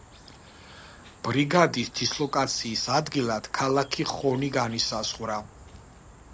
ბრიგადის დისლოკაციის ადგილად ქალაქი ხონი განისაზღვრა.